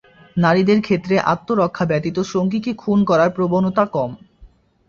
নারীদের ক্ষেত্রে আত্মরক্ষা ব্যতীত সঙ্গীকে খুন করার প্রবণতা কম।